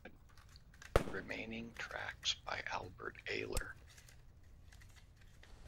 Remaining tracks by Albert Ayler.